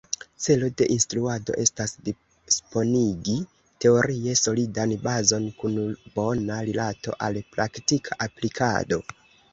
Celo de instruado estas disponigi teorie solidan bazon kun bona rilato al praktika aplikado.